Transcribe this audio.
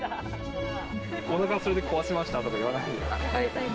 おなかそれで壊しましたとか言わないでよ。